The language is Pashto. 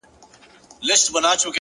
وخت د بېتوجهۍ تاوان نه بښي،